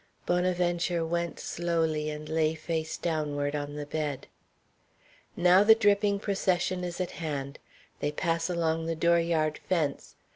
Bonaventure went slowly and lay face downward on the bed. Now the dripping procession is at hand. They pass along the dooryard fence.